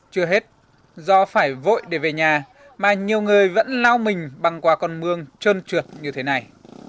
chưa hết do phải vội để về nhà mà nhiều người vẫn lao mình băng qua con mương trơn trượt như thế này